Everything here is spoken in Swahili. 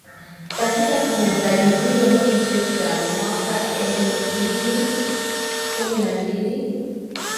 katika kinyanganyiro hicho cha mwaka elfu mbili kumi na mbili